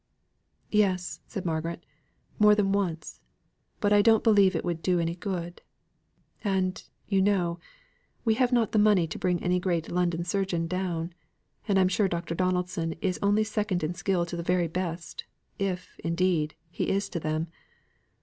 "Yes," said Margaret, "more than once. But I don't believe it would do any good. And, you know, we have not the money to bring any great London surgeon down, and I am sure Dr. Donaldson is only second in skill to the very best, if, indeed, he is to them."